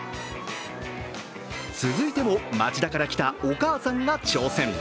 続いても、町田から来たお母さんが挑戦。